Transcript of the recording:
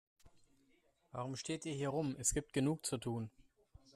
Warum steht ihr hier herum, es gibt genug zu tun.